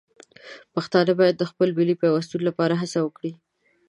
پښتانه باید د خپل ملي پیوستون لپاره هڅه وکړي.